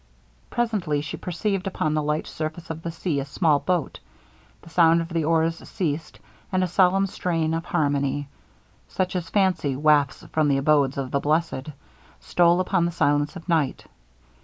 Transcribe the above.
Presently she perceived upon the light surface of the sea a small boat. The sound of the oars ceased, and a solemn strain of harmony (such as fancy wafts from the abodes of the blessed) stole upon the silence of night.